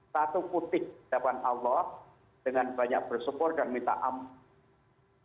satu putih di hadapan allah dengan banyak bersyukur dan minta ampun